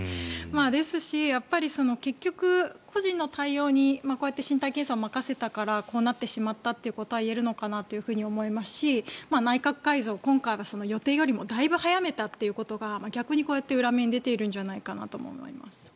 ですし、結局、個人の対応にこうやって身体検査を任せたからこうなってしまったということは言えるのかなと思いますし内閣改造、今回予定よりもだいぶ早めたということが逆に裏目に出ているんじゃないかなとも思います。